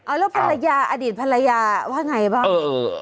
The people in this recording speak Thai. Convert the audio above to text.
แล้วภรรยาอดีตภรรยาว่าไงบ้าง